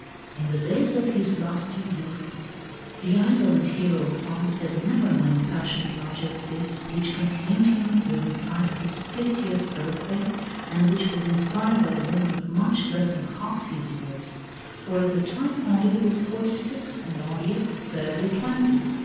In the days of his lusty youth the idol and hero of France had never known passion such as this which consumed him within sight of his fiftieth birthday, and which was inspired by a woman of much less than half his years; for at the time Henri was forty six, and Henriette was barely twenty.